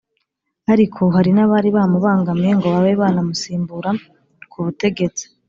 Ariko hari n'abari bamubangamiye ngo babe banamusimbura ku butegetsi